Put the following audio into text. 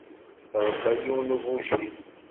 Tṛebba yiwen n ugujil.